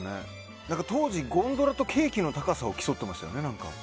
当時、ゴンドラとケーキの高さを競ってましたよね。